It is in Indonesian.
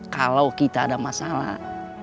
kalau kita ada masalah